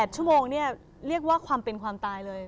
ชั่วโมงเนี่ยเรียกว่าความเป็นความตายเลย